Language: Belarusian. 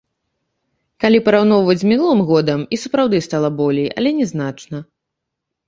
Калі параўноўваць з мінулым годам, і сапраўды стала болей, але не значна.